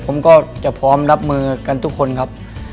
ผมก็จะพร้อมรับมือกันทุกคนครับ